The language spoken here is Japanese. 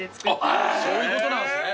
そういうことなんすね。